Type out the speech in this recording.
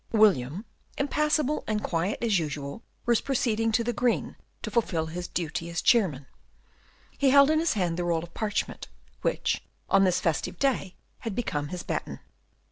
William, impassible and quiet as usual, was proceeding to the green to fulfil his duty as chairman. He held in his hand the roll of parchment, which, on this festive day, had become his baton.